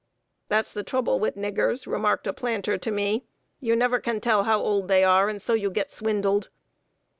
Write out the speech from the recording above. "That's the trouble with niggers," remarked a planter to me; "you never can tell how old they are, and so you get swindled."